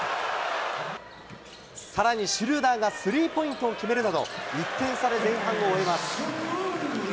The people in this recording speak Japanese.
さらにシュルーダーがスリーポイントを決めるなど１点リードで前半を終えます。